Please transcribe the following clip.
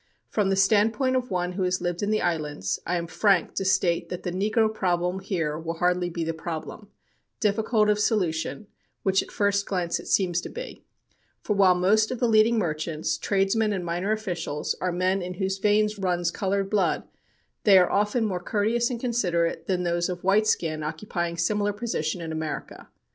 From the standpoint of one who has lived in the islands, I am frank to state that the 'negro problem' here will hardly be the problem difficult of solution which at first glance it seems to be; for while most of the leading merchants, tradesmen and minor officials are men in whose veins runs colored blood, they are often more courteous and considerate than those of white skin occupying similar position in America.